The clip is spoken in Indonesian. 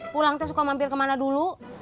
pulangnya suka mampir kemana dulu